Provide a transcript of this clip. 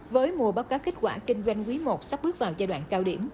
với mùa báo cáo kết quả kinh doanh quý i sắp bước vào giai đoạn cao điểm